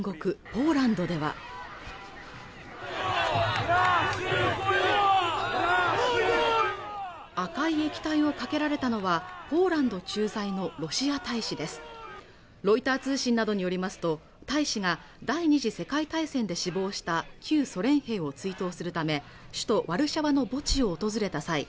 ポーランドでは赤い液体をかけられたのはポーランド駐在のロシア大使ですロイター通信などによりますと大使が第２次世界大戦で死亡した旧ソ連兵を追悼するため首都ワルシャワの墓地を訪れた際